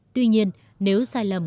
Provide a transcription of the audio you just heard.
tuy nhiên nếu sai lầm